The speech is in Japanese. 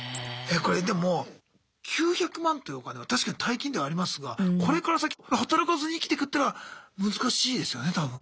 えこれでも９００万というお金は確かに大金ではありますがこれから先働かずに生きてくってのは難しいですよね多分。